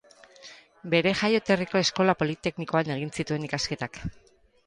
Bere jaioterriko Eskola Politeknikoan egin zituen ikasketak.